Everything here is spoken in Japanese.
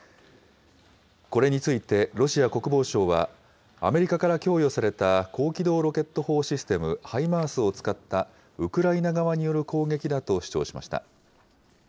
これについてロシア国防省は、アメリカから供与された高機動ロケット砲システム・ハイマースを使った、ウクライナ側による攻撃だと主張しました。